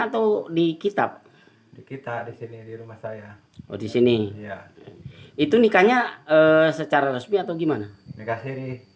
atau di kitab kita disini di rumah saya oh di sini itu nikahnya secara resmi atau gimana dikasih